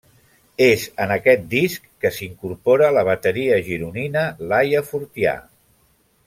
És en aquest disc que s'incorpora la bateria gironina Laia Fortià.